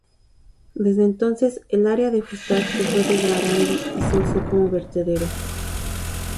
Desde entonces el área de Fustat se fue degradando y se usó como vertedero.